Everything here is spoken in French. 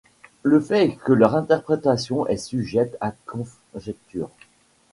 Le fait est que leur interprétation est sujette à conjectures.